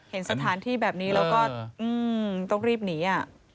เห็นสถานที่แบบนี้แล้วก็ต้องรีบหนี